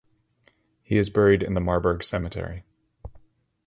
He is buried in the Marburg cemetery.